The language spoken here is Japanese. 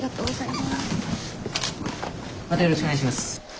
またよろしくお願いします。